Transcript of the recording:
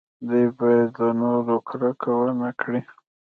دوی باید له نورو کرکه ونه کړي.